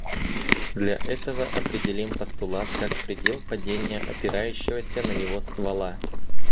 Для этого определим постулат как предел падения опирающегося на него ствола.